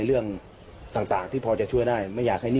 ซึ่ง่าไม่สังเกิด